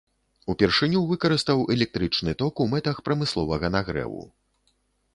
Упершыню выкарыстаў электрычны ток у мэтах прамысловага нагрэву.